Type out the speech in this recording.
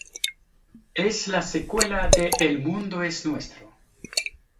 Es la secuela de El mundo es nuestro.